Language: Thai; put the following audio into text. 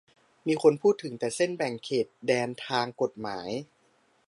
มีคนพูดถึงเส้นแบ่งเขตแดนทางกฎหมาย